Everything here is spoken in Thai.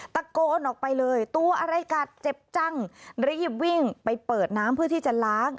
ตะโกนออกไปเลยตัวอะไรกัดเจ็บจังรีบวิ่งไปเปิดน้ำเพื่อที่จะล้าง